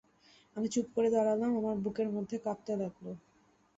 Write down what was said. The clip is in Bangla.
আমি চুপ করে দাঁড়ালুম, আমার বুকের মধ্যে কাঁপতে লাগল।